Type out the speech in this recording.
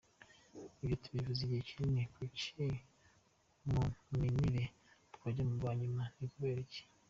Ibyo tubivuze igihe kinini, kuki mu mirire twajya mu ba nyuma? Ni ukubera iki?”.